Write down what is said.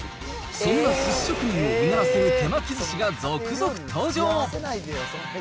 そんなすし職人をうならせる手巻きずしが続々登場。